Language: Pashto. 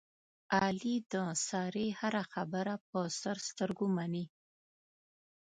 علي د سارې هره خبره په سر سترګو مني.